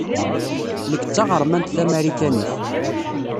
Nekk d taɣeṛmant tamarikanit.